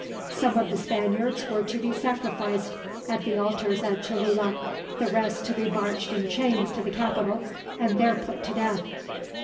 Some of the Spaniards were to be sacrificed at the altars at Cholula, the rest to be marched in chains to the capital, and there put to death.